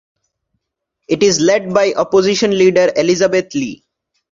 It is led by Opposition Leader Elizabeth Lee